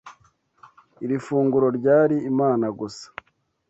Iri funguro ryari imana gusa.